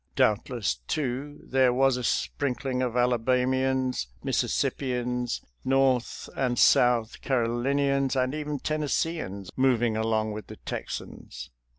Doubtless, too, there was a sprinkling of Ala bamians, Mississippians, North and South Caro linians, and even Tennesseeans, moving along with the Texans.